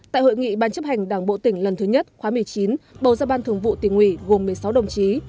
tại hội nghị ban chấp hành đảng bộ tỉnh lần thứ nhất khóa một mươi chín bầu ra ban thường vụ tỉnh ủy gồm một mươi sáu đồng chí